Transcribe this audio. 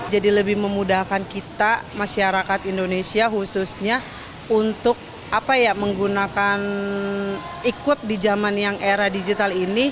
jadi lebih memudahkan kita masyarakat indonesia khususnya untuk menggunakan ikut di zaman yang era digital